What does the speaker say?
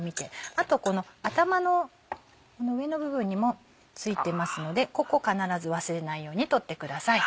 あとこの頭の上の部分にも付いてますのでここ必ず忘れないように取ってください。